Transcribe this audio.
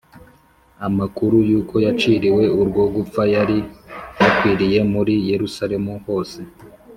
amakuru y’uko yaciriwe urwo gupfa yari yakwiriye muri yerusalemu hose